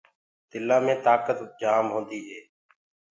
تِلينٚ مي تآڪت جآم هوندي هي۔